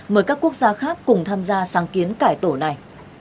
mời các quốc gia khác cùng tham gia sáng kiến cải tổ này